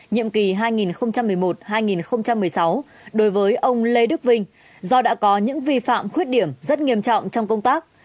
nhiệm kỳ hai nghìn một mươi một hai nghìn một mươi sáu đối với ông lê đức vinh do đã có những vi phạm khuyết điểm rất nghiêm trọng trong công tác